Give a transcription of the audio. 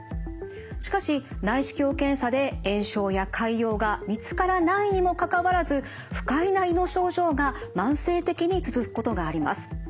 しかし内視鏡検査で炎症や潰瘍が見つからないにもかかわらず不快な胃の症状が慢性的に続くことがあります。